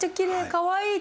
かわいい。